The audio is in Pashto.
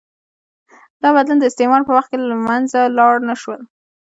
دا بدلونونه د استعمار په وخت کې له منځه لاړ نه شول.